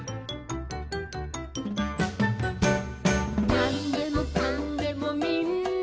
「なんでもかんでもみんな」